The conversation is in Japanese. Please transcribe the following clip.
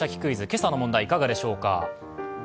今朝の問題いかがでしょうか。